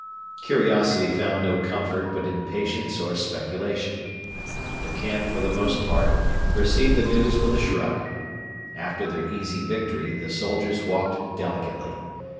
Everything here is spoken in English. Curiosity found no comfort but in patience or speculation. The camp for the most part received the news with a shrug. After their easy victory the soldiers walked delicately.